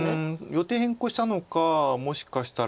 予定変更したのかもしかしたら。